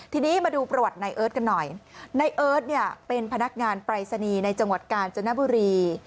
ทีนี้มาดูประวัตินายเอิร์ทกันหน่อยนายเอิร์ทเนี่ยเป็นพนักงานปรายศนีย์ในจังหวัดกาญจนบุรี